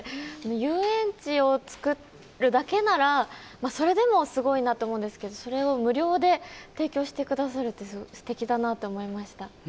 遊園地を作るだけなら、それでもすごいなと思うんですけどそれを無料で提供してくださるって素敵だなって思いました。